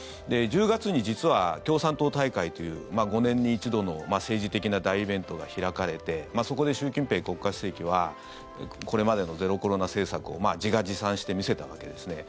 １０月に実は共産党大会という５年に一度の政治的な大イベントが開かれてそこで習近平国家主席はこれまでのゼロコロナ政策を自画自賛してみせたわけですね。